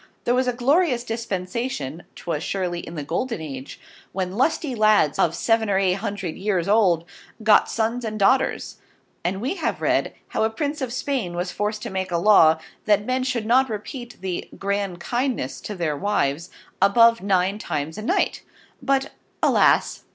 There was a glorious Dispensation ('twas surely in the Golden Age) when Lusty Ladds of seven or eight hundred years old, Got Sons and Daughters; and we have read, how a Prince of Spain was forced to make a Law, that Men should not Repeat the Grand Kindness to their Wives, above NINE times in a night: But Alas!